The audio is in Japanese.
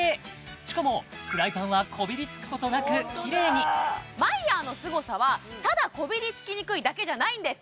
しかもフライパンはこびりつくことなくキレイにマイヤーのすごさはただこびりつきにくいだけじゃないんです